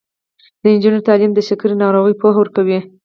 د نجونو تعلیم د شکرې ناروغۍ پوهه ورکوي.